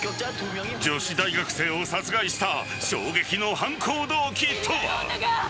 女子大学生を殺害した衝撃の犯行動機とは。